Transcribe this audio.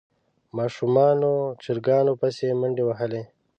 ماشومانو چرګانو پسې منډې وهلې.